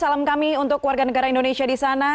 salam kami untuk warga negara indonesia di sana